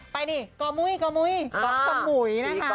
ไปนี่กอมุยกอสมุยนะคะ